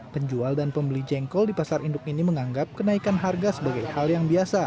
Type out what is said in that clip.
penjual dan pembeli jengkol di pasar induk ini menganggap kenaikan harga sebagai hal yang biasa